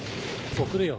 送るよ